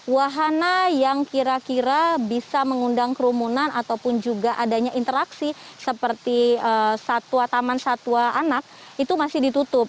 wahana yang kira kira bisa mengundang kerumunan ataupun juga adanya interaksi seperti taman satwa anak itu masih ditutup